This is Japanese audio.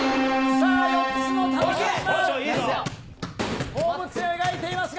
さあ４つの球が。